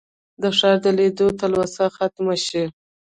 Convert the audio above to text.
د ښار د لیدو تلوسه ختمه شي.